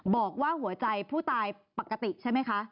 บอกว่าหัวใจผู้ตายปกติใช่ไหมคะ